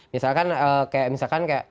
misalkan kayak temen